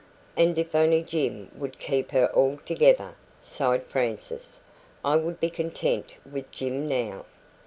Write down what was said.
"And if only Jim would keep her altogether!" sighed Frances. "I would be content with Jim now."